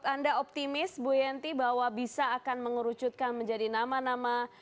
anda optimis bu yanti bahwa bisa akan mengerucutkan menjadi nama nama